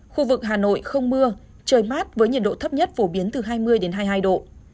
khu vực hà nội không mưa trời mát với nhiệt độ thấp nhất phổ biến từ hai mươi hai mươi hai độ